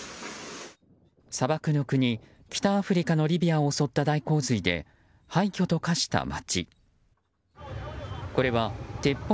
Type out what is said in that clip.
砂漠の国、北アフリカのリビアを襲った大洪水で廃墟と化した街。